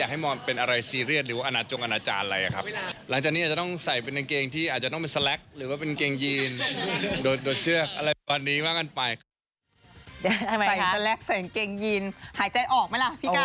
หายใจออกมั้ยล่ะพี่กัน